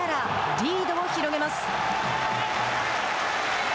リードを広げます。